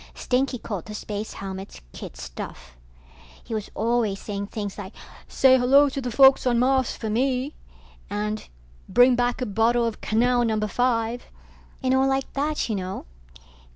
Stinky called the space helmets kid stuff. He was always saying things like say hello to the folks on Mars for me, and bring back a bottle of canal number five, and all like that, you know.